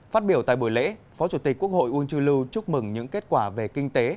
phát biểu tại buổi lễ phó chủ tịch quốc hội uông chui lưu chúc mừng những kết quả về kinh tế